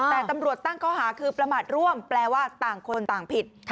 แต่ตำรวจตั้งข้อหาคือประมาทร่วมแปลว่าต่างคนต่างผิด